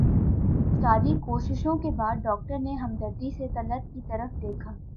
ساری کوششوں کے بعد ڈاکٹر نے ہمدردی سے طلعت کی طرف دیکھا